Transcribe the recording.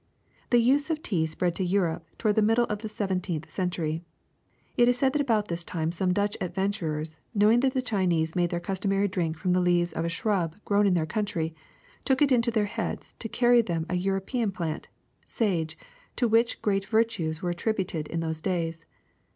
The use of tea spread to Europe toward the middle of the seventeenth century. It is said that about this time some Dutch adventurers, knowing that the Chinese made their customary drink from the leaves of a shrub grown in their country, took it into their heads to carry them a European plant, sage, to which great virtues were attributed in those days.